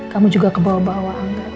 kamu juga kebawa bawa